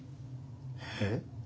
えっ？